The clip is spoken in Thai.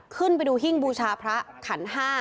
ขึ้นไปดูหิ้งบูชาพระขัน๕